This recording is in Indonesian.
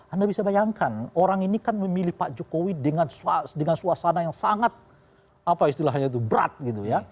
anda bisa bayangkan orang ini kan memilih pak jokowi dengan suasana yang sangat apa istilahnya itu berat gitu ya